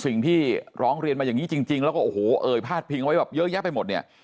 สิ่งที่ร้องเรียนมาอย่างนี้จริงแล้วก็โอ้โหเอ่ยพาดพิงไว้แบบเยอะแยะไปหมดเนี่ย